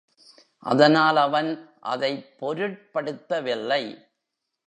அதனால் அவன் அதைப் பொருட்படுத்தவில்லை.